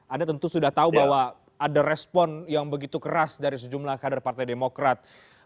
anda tentu sudah tahu bahwa ada respon yang begitu keras dari sejumlah kader partai demokrat